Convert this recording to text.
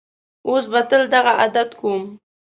اوس به تل دغه عادت کوم.